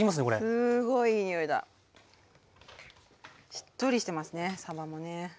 しっとりしてますねさばもね。